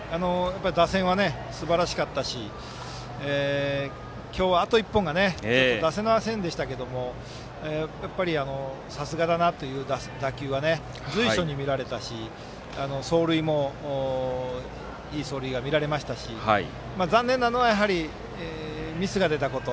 打線はすばらしかったし今日はあと１本が出ませんでしたけどさすがだなという打球は随所に見られたし走塁もいい走塁が見られましたし残念なのはミスが出たこと。